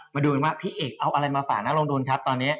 มาดูว่าพี่เอกเอาอะไรมาฝาน่ารงดุลครับตอนนี้